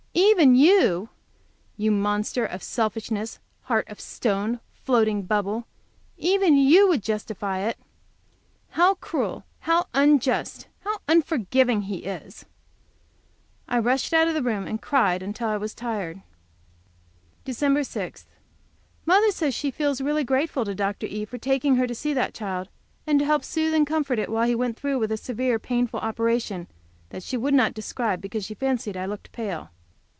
"Even you!" you monster of selfishness, heart of stone, floating bubble, "even you would justify it!" How cruel, how unjust, how unforgiving he is! I rushed out of the room, and cried until I was tired. DEC. 6. Mother says she feels really grateful to Dr. E. for taking her to see that child, and to help soothe and comfort it while he went through with a severe, painful operation which she would not describe, because she fancied I looked pale.